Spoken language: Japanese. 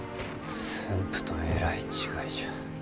駿府とえらい違いじゃ。